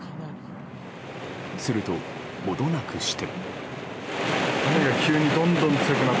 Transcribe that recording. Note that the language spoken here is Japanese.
すると、ほどなくして。